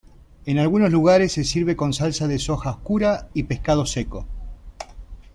En algunos lugares se sirve con salsa de soja oscura y pescado seco.